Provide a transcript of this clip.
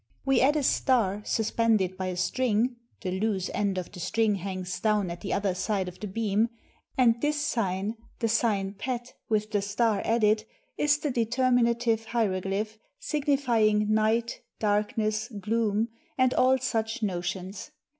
We add a star suspended by a string (the loose end of the string hangs down at the other side of the beam), and this sign F f ^ the sign pet with the star added — is the determinative hieroglyph signifying "night," "darkness," "gloom," and all such notions.